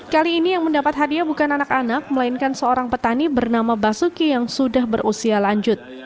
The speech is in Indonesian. kali ini yang mendapat hadiah bukan anak anak melainkan seorang petani bernama basuki yang sudah berusia lanjut